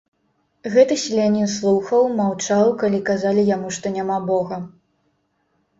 Гэты селянін слухаў, маўчаў, калі казалі яму, што няма бога.